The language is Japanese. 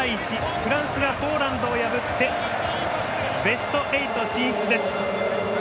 フランスがポーランドを破ってベスト８進出です。